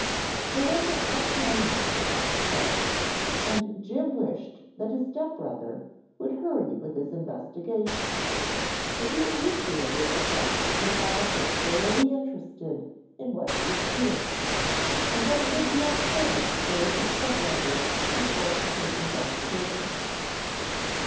There was an uncanniness about the place, and Jim wished that his step brother would hurry with his investigations, but he appreciated the fact that Bob was thoroughly interested in what he was doing, and that it would be unfair to urge his step brother to shorten his investigations.